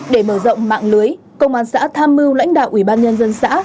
để mở rộng mạng lưới công an xã tham mưu lãnh đạo ủy ban nhân dân xã